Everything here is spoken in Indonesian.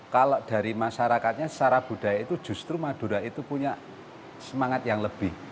kalau dari masyarakatnya secara budaya itu justru madura itu punya semangat yang lebih